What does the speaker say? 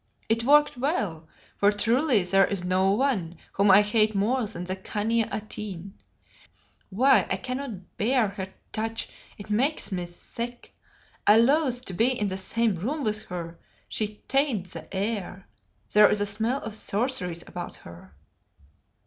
It worked well, for truly there is no one whom I hate more than the Khania Atene. Why, I cannot bear her touch, it makes me sick. I loathe to be in the same room with her; she taints the air; there is a smell of sorceries about her.